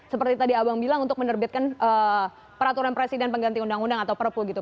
seperti tadi abang bilang untuk menerbitkan peraturan presiden pengganti undang undang atau perpu gitu